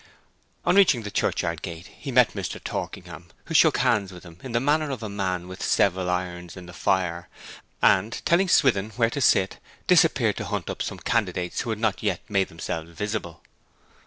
On reaching the churchyard gate he met Mr. Torkingham, who shook hands with him in the manner of a man with several irons in the fire, and telling Swithin where to sit, disappeared to hunt up some candidates who had not yet made themselves visible.